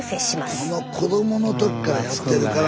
この子供の時からやってるから。